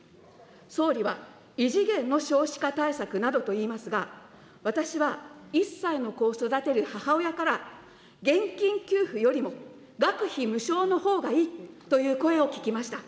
総理は異次元の少子化対策などと言いますが、私は１歳の子を育てる母親から、現金給付よりも学費無償のほうがいいという声を聞きました。